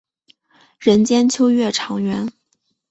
人间秋月长圆。